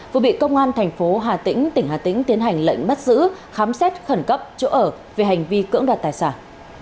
vừa bị công an thành phố hà tĩnh tỉnh hà tĩnh tiến hành lệnh bắt giữ khám xét khẩn cấp chỗ ở về hành vi cưỡng đoạt tài sản